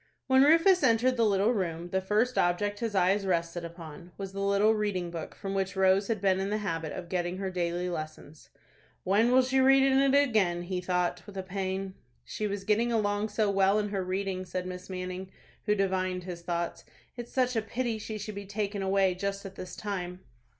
When Rufus entered the little room, the first object his eyes rested upon was the little reading book from which Rose had been in the habit of getting her daily lessons. "When will she read in it again?" he thought, with a pang. "She was getting along so well in her reading," said Miss Manning, who divined his thoughts. "It's such a pity she should be taken away just at this time."